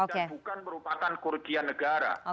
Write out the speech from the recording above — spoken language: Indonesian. dan bukan merupakan kerugian negara